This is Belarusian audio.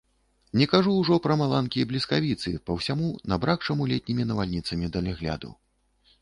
Не кажу ўжо пра маланкі і бліскавіцы па ўсяму набракшаму летнімі навальніцамі далягляду.